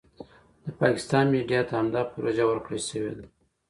د پاکستان میډیا ته همدا پروژه ورکړای شوې ده.